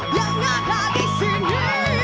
yang ada di sini